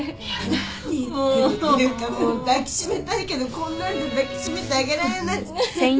何言ってんの？っていうかもう抱き締めたいけどこんなんじゃ抱き締めてあげられないじゃない。